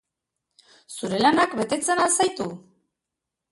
Zure lanak betetzen al zaitu?